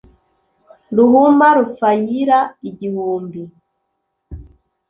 ruhuma rufayira igihumbi